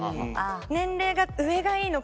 年齢が上がいいのか。